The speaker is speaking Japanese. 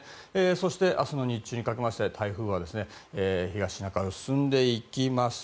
そして、明日の日中にかけまして台風は東シナ海を進んでいきます。